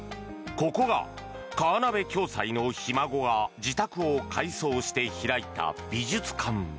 ここが河鍋暁斎のひ孫が自宅を改装して開いた美術館。